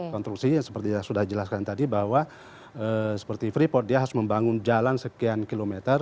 konstruksinya seperti yang sudah dijelaskan tadi bahwa seperti freeport dia harus membangun jalan sekian kilometer